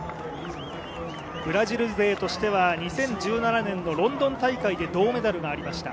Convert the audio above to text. ブラジル勢としては２０１７年ロンドン大会で銅メダルがありました。